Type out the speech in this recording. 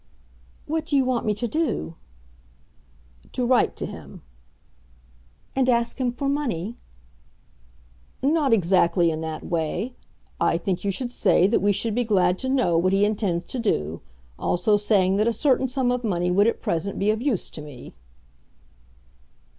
"What do you want me to do?" "To write to him." "And ask him for money?" "Not exactly in that way. I think you should say that we should be glad to know what he intends to do, also saying that a certain sum of money would at present be of use to me."